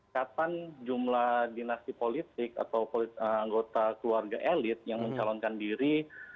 kapan jumlah dinasti politik atau anggota keluarga elit yang mencalonkan diri